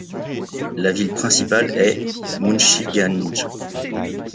La ville principale est Munshiganj.